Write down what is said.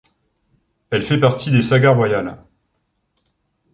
Elle fait partie des sagas royales.